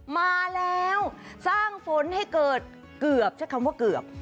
มาแล้วสร้างฝนให้เกิดเกือบใช้คำว่าเกือบ